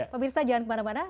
pak mirsa jangan kemana mana